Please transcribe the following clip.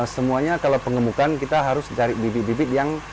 semuanya kalau pengemukan kita harus cari bibit bibit yang